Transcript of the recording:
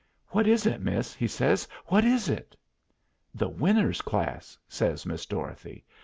"What is it, miss?" he says. "What is it?" "The Winners' class," says Miss Dorothy.